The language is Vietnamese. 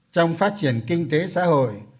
trong phát triển kinh tế xã hội